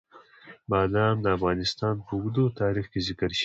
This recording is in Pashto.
بادام د افغانستان په اوږده تاریخ کې ذکر شوی دی.